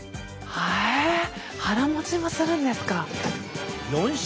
へえ腹もちもするんですか？